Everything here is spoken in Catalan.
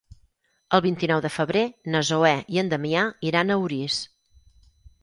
El vint-i-nou de febrer na Zoè i en Damià iran a Orís.